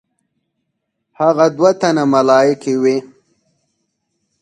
هغه دوه تنه ملایکې وې.